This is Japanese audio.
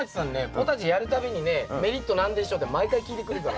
ポタジェやる度にねメリット何でしょう？って毎回聞いてくるから。